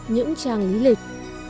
những trang lý lịch